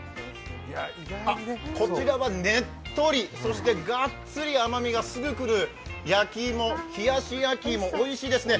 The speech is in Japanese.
あ、こちらはねっとり、そしてガッツリ甘みがすぐ来る焼き芋、冷やし焼き芋、おいしいですね。